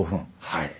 はい。